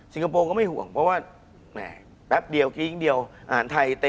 คุณผู้ชมบางท่าอาจจะไม่เข้าใจที่พิเตียร์สาร